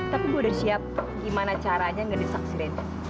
tapi gue udah siap gimana caranya ngedesek si ren